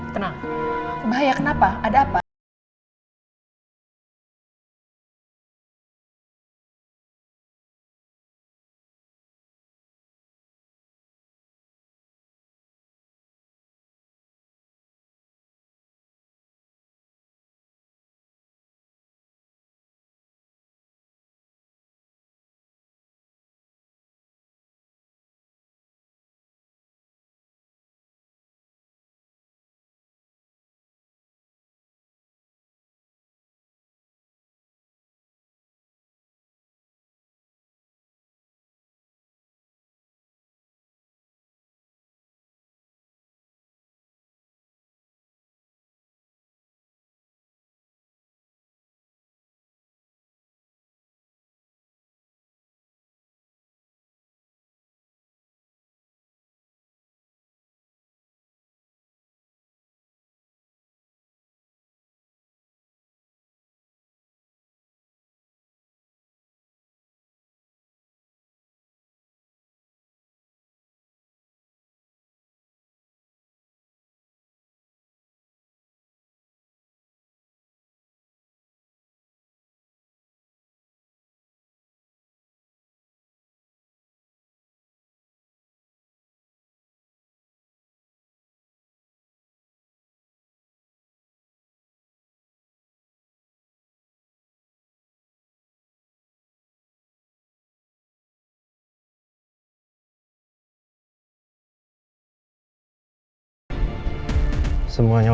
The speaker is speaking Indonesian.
tenang bahaya kenapa ada apa